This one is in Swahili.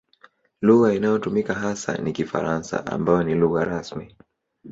Lugha inayotumika hasa ni Kifaransa ambayo ni lugha rasmi.